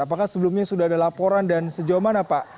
apakah sebelumnya sudah ada laporan dan sejauh mana pak